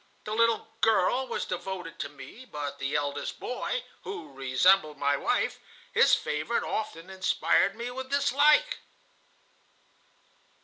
The little girl was devoted to me, but the eldest boy, who resembled my wife, his favorite, often inspired me with dislike."